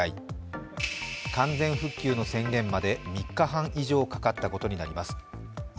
完全復旧の宣言まで３日半以上かかったことになります。